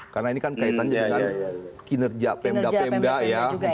karena ini kan kaitannya dengan kinerja pemda pemda ya